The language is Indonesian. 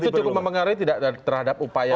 itu cukup mempengaruhi tidak terhadap upaya